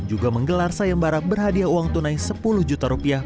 juga menggelar sayembara berhadiah uang tunai sepuluh juta rupiah